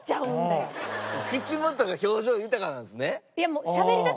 口元が表情豊かなんですね。